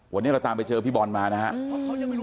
วันนี้เราตามไปเจอพี่บอลมานะครับ